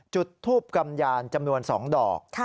จุดทูบกำยานจำนวน๒ดอก